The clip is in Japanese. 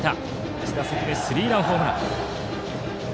１打席目にスリーランホームラン。